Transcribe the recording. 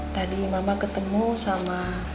tadi mama ketemu sama